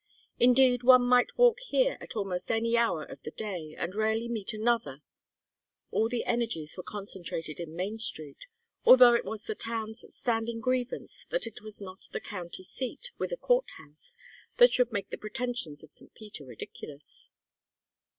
Indeed one might walk here at almost any hour of the day and rarely meet another; all the energies were concentrated in Main Street, although it was the town's standing grievance that it was not the county seat with a court house that should make the pretensions of St. Peter ridiculous.